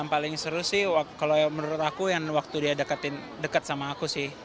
yang paling seru sih kalau menurut aku yang waktu dia dekatin dekat sama aku sih